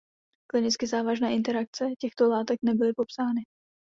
Klinicky závažné interakce těchto látek nebyly popsány.